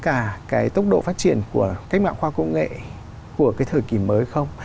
có phù hợp với lại cả cái tốc độ phát triển của cách mạng khoa học công nghệ của cái thời kỳ mới không